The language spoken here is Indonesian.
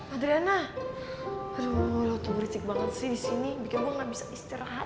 adriana aduh lo tuh bericik banget sih disini bikin gue gak bisa istirahat